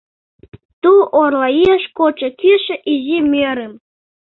Ту орлаеш кодшо кӱшӧ изи мӧрым